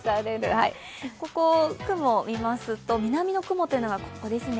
ここ、雲を見ますと南の雲がここですね。